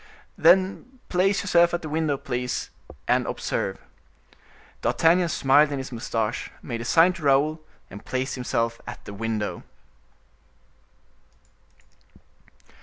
"Then place yourself at the window, if you please, and observe." D'Artagnan smiled in his mustache, made a sign to Raoul, and placed himself at the window.